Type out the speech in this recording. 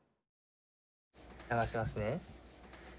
流しますね。